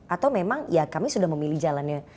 atau memang ya kami sudah memilih jalannya